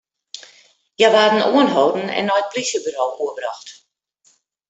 Hja waarden oanholden en nei it polysjeburo oerbrocht.